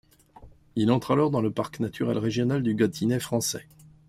Il entre alors dans le parc naturel régional du Gâtinais français.